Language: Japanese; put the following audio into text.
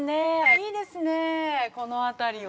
いいですねこの辺りは。